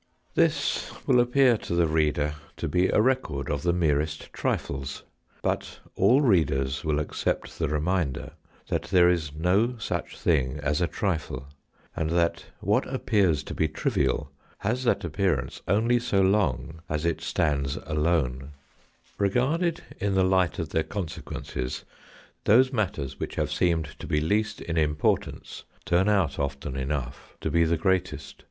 This will appear to the reader to be a record of the merest trifles, but all readers will accept the reminder that there is no such thing as a trifle, and that what appears to be trivial has that appearance only so long as it stands alone. Ill G HOST TALES. Regarded in the light of their consequences, those matters which have seemed to be least in importance, turn out, often enough, to be the greatest.